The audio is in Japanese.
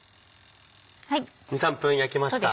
２３分焼きました。